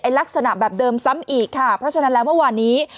ลักษณะแบบเดิมซ้ำอีกค่ะเพราะฉะนั้นแล้วเมื่อวานนี้